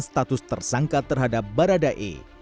status tersangka terhadap baradae